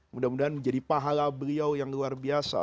mudah mudahan menjadi pahala beliau yang luar biasa